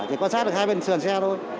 chỉ quan sát được hai bên sườn xe thôi